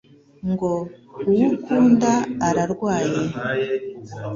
ngo: "Uwo ukunda ararwaye."